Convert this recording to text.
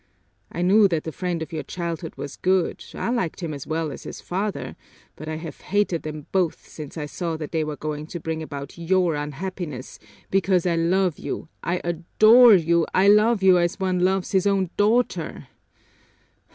I knew that the friend of your childhood was good, I liked him as well as his father, but I have hated them both since I saw that they were going to bring about your unhappiness, because I love you, I adore you, I love you as one loves his own daughter!